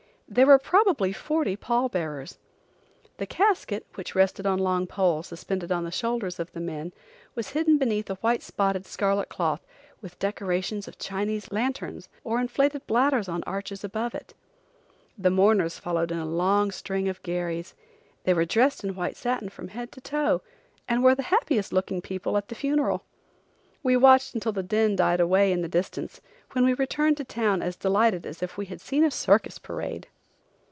There were probably forty pall bearers. The casket, which rested on long poles suspended on the shoulders of the men, was hidden beneath a white spotted scarlet cloth with decorations of Chinese lanterns or inflated bladders on arches above it. The mourners followed in a long string of gharries, They were dressed in white satin from head to toe and were the happiest looking people at the funeral. We watched until the din died away in the distance when we returned to town as delighted as if we had seen a circus parade.